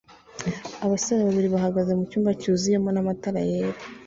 Abasore babiri bahagaze mu cyumba cyuzuyemona matara yera